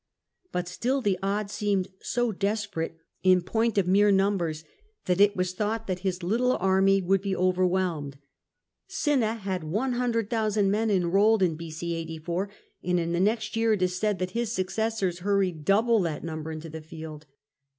But still the odds seemed so desperate, in point of mere numbers, that it was thought that his little army would be overwhelmed. Oinna had 100,000 men enrolled in B,c. 84, and in the next year it is said that his successors hurried double that number into the field.